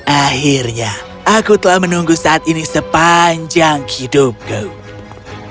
akhirnya aku telah menunggu saat ini sepanjang hidup guys